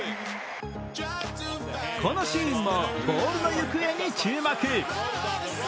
このシーンもボールの行方に注目。